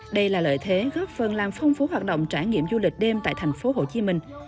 đây là lợi thế góp phần làm phong phú hoạt động trải nghiệm du lịch đêm tại thành phố hồ chí minh